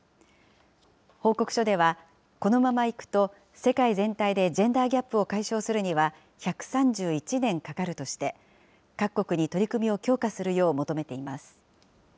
報告書では、このままいくと、世界全体でジェンダーギャップを解消するには、１３１年かかるとして、各国に取り組みを強化するよう求めています。